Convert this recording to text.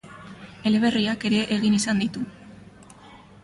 Eleberriak ere egin izan ditu.